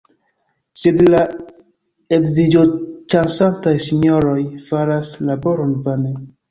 Sed la edziĝoĉasantaj sinjoroj faras laboron vane!